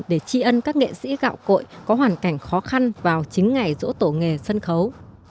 để tri ân các nghệ sĩ gạo cội có hoàn cảnh khó khăn vào chính ngày rỗ tổ nghề sân khấu